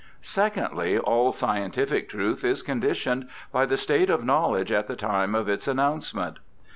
Secondly, all scientific truth is conditioned by the state of knowledge at the time of its announcement.